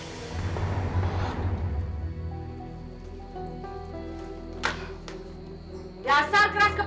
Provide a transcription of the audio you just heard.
ya sar keras kepala